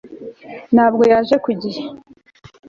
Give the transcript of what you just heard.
ntabwo yaje ku gihe